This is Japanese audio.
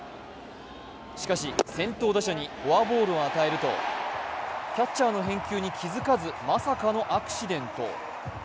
しかし先頭打者にフォアボールを与えるとキャッチャーの返球に気付かず、まさかのアクシデント。